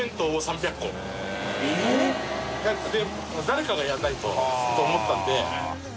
誰かがやらないとと思ったんで。